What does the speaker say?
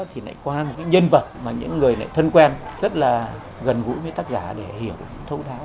thì lại qua một cái nhân vật mà những người này thân quen rất là gần gũi với tác giả để hiểu thâu tháo